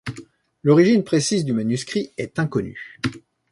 L'origine précise du manuscrit est inconnue.